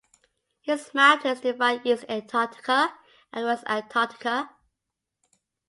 These mountains divide East Antarctica and West Antarctica.